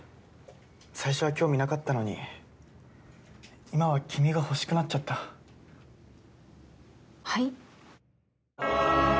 最初は興味なかったのに今は君が欲しくなっちゃったはい？